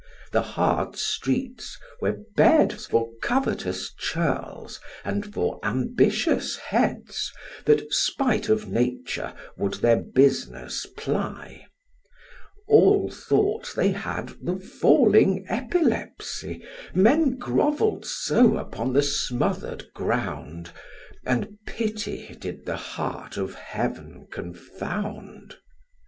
The hard streets were beds For covetous churls and for ambitious heads, That, spite of Nature, would their business ply: All thought they had the falling epilepsy, Men grovell'd so upon the smother'd ground; And pity did the heart of Heaven confound.